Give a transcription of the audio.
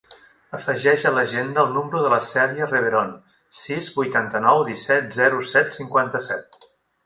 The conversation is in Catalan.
Afegeix a l'agenda el número de la Cèlia Reveron: sis, vuitanta-nou, disset, zero, set, cinquanta-set.